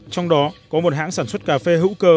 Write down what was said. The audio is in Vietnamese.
trong đó có một hãng sản xuất cà phê hữu cơ